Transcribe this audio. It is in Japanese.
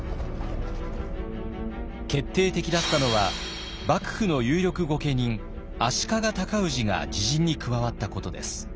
決定的だったのは幕府の有力御家人足利尊氏が自陣に加わったことです。